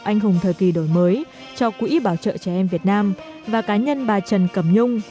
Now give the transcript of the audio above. anh hùng thời kỳ đổi mới cho quỹ bảo trợ trẻ em việt nam và cá nhân bà trần cẩm nhung